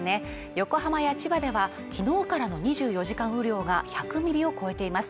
横浜や千葉では昨日からの２４時間雨量が１００ミリを超えています。